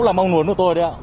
đó là mong muốn của tôi đấy ạ